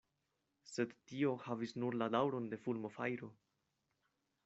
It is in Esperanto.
Sed tio havis nur la daŭron de fulmofajro.